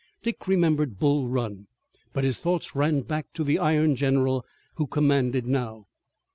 Dick remembered Bull Run, but his thoughts ran back to the iron general who commanded now.